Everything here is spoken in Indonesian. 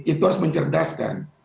itu harus mencerdaskan